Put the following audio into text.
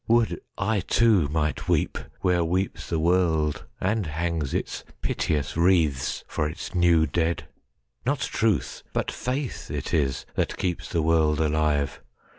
Would I too might weepWhere weeps the world and hangs its piteous wreathsFor its new dead! Not Truth, but Faith, it isThat keeps the world alive.